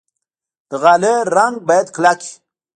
د غالۍ رنګ باید کلک وي.